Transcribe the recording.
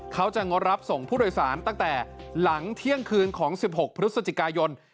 งดรับส่งผู้โดยสารตั้งแต่หลังเที่ยงคืนของ๑๖พฤศจิกายน